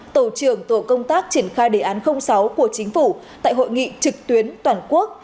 tổ trưởng tổ công tác triển khai đề án sáu của chính phủ tại hội nghị trực tuyến toàn quốc